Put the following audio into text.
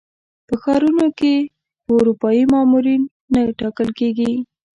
په ښارونو کې به اروپایي مامورین نه ټاکل کېږي.